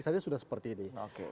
saja sudah seperti ini